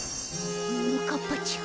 ももかっぱちゃん。